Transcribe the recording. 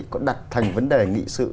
có đặt thành vấn đề nghị sự